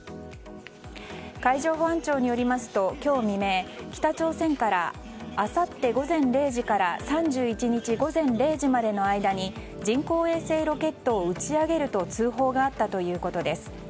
海上保安庁によりますと今日未明、北朝鮮からあさって午前０時から３１日午前０時までの間に人工衛星ロケットを打ち上げると通報があったということです。